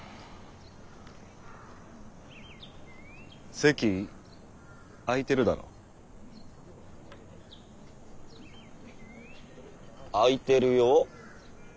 席空いてるだろう？空いてるよ？